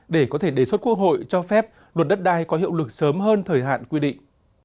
để có thể đề xuất quốc hội cho phép luật đất đai có hiệu lực sớm hơn thời hạn quy định